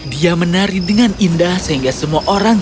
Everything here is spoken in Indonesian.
dia menari dengan indah sehingga dia menangis